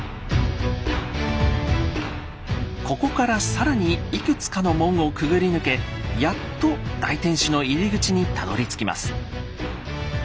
ここから更にいくつかの門をくぐり抜けやっと大天守の入り口にたどりつきます。